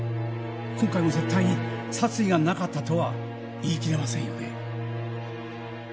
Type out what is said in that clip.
今回も絶対に殺意がなかったとは言い切れませんよね？